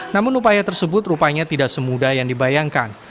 namun upaya tersebut rupanya tidak semudah yang dibayangkan